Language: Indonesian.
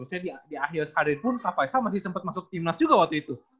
maksudnya di akhir karir pun kapaisa masih sempet masuk timnas juga waktu itu